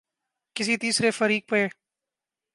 کسی تیسرے فریق پہ۔